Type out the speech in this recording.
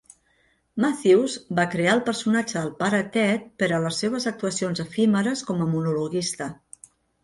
Mathews va crear el personatge del Pare Ted per a les seves actuacions efímeres com a monologuista.